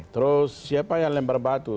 terus siapa yang lempar batu